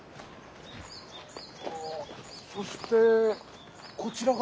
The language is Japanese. そしてこちらが。